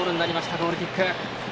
ゴールキック。